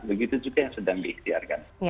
begitu juga yang sedang diikhtiarkan